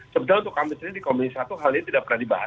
sebenarnya untuk kami sendiri di komisi satu hal ini tidak pernah dibahas